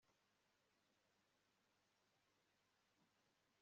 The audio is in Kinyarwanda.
Ni ubuhe bwoko bwumuziki ukunze kumva